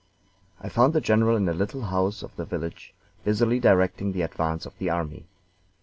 I found the general in a little house of the village, busily directing the advance of the army.